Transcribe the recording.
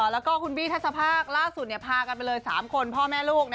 แล้วก็คุณบี้ทัศภาคล่าสุดพากันไปเลย๓คนพ่อแม่ลูก